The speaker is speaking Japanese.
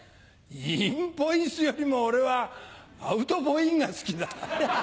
インボイスよりも俺はアウトボインが好きだなぁ。